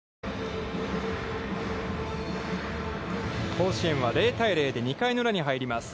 甲子園は０対０で２回裏に入ります。